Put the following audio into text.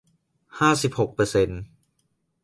ห้าสิบหกเปอร์เซนต์